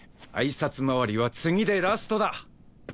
あいさつ回りは次でラストだ。